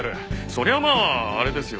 そりゃまああれですよ。